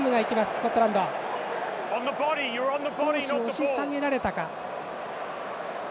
少し押し下げられたか。